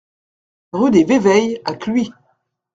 Rue des Véveilles à Cluis